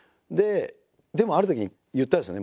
でもあるとき言ったんですよね